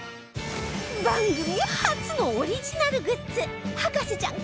番組初のオリジナルグッズ博士ちゃん